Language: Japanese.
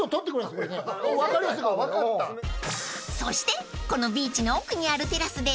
［そしてこのビーチの奥にあるテラスで］